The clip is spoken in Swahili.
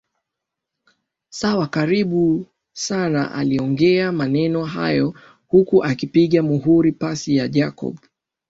sawa karibu sanaaliongea maneno hayo huku akipiga muhuri pasi ya Jacob